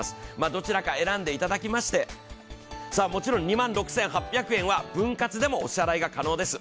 どちらか選んでいただきましてもちろん２万６８００円は分割でもお支払い可能です。